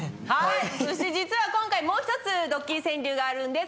そして実は今回もう一つドッキリ川柳があるんです。